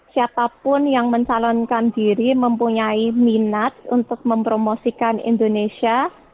siapapun yang mencalonkan diri mempunyai minat untuk mempromosikan indonesia